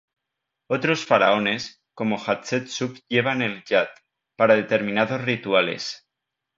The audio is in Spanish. Otros faraones, como Hatshepsut llevaban el jat, para determinados rituales.